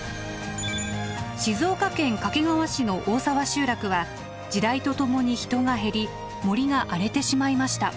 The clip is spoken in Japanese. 静岡県掛川市の大沢集落は時代とともに人が減り森が荒れてしまいました。